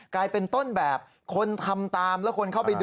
กลายเป็นต้นแบบคนทำตามแล้วคนเข้าไปดู